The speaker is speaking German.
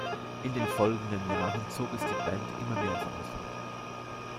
In den folgenden Jahren zog es die Band immer mehr ins Ausland.